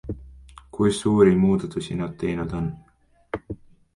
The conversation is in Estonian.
Kui suuri muudatusi nad teinud on.